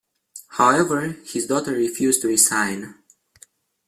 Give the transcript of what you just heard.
However, his daughter refused to resign.